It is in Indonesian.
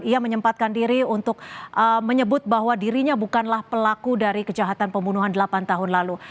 ia menyempatkan diri untuk menyebut bahwa dirinya bukanlah pelaku dari kejahatan pembunuhan delapan tahun lalu